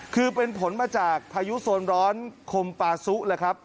คือเป็นผลมาจากพายุโซนร้อนคมปาซุแหละครับ